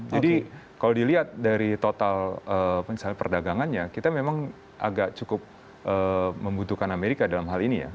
jadi kalau dilihat dari total perdagangannya kita memang agak cukup membutuhkan amerika dalam hal ini ya